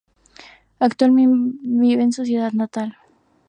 Actualmente vive en su ciudad natal.